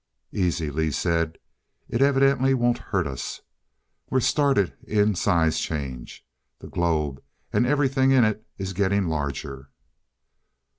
"Easy," Lee said. "It evidently won't hurt us. We're started in size change. The globe, and everything in it, is getting larger."